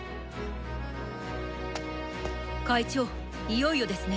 会長いよいよですね。